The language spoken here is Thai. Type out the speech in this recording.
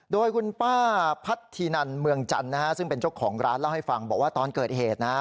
โดยคุณป้าพัฒนินันเมืองจันทร์นะฮะซึ่งเป็นเจ้าของร้านเล่าให้ฟังบอกว่าตอนเกิดเหตุนะฮะ